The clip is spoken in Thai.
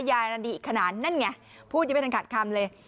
อันดีอีกขนาดนั่นไงพูดยังไม่ทันขาดคำเลย